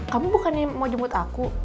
kamu bukannya mau jemput aku